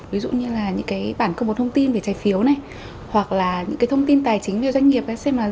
ví dụ như là những bản công bố thông tin về trái phiếu này hoặc là những thông tin tài chính về doanh nghiệp